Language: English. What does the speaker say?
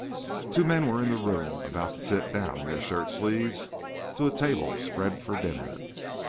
Two men were in the room, about to sit down, in their shirt sleeves, to a table spread for dinner.